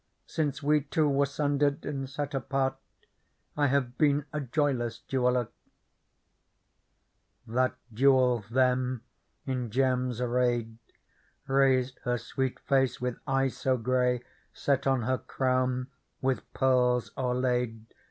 Since we two were sundered and set apart, I have been a joyless jeweller." Digitized by Google 12 PEARL That Jewel then, in gems arrayed. Raised her sweet face with eyes so grey. Set on her crown with pearls o'erlaid.